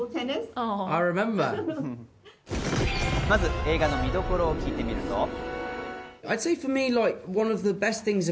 まず映画の見どころを聞いてみると。